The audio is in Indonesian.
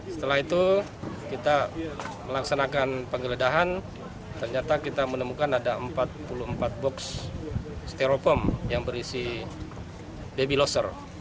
setelah itu kita melaksanakan penggeledahan ternyata kita menemukan ada empat puluh empat box stereofom yang berisi baby lobster